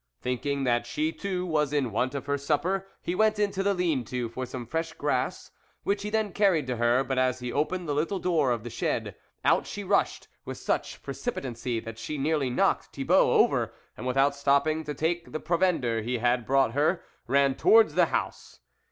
Thinking that she, too, was in want of her supper, he went into the lean to for some fresh grass, which he then carried to her, but as he opened the little door of the shed, out she rushed with such precipitancy that she nearly knocked Thibault over, and with out stopping to take the provender he had brought her, ran towards the house.